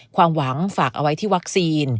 ความหวังฝากเอาไว้ที่วัคซีน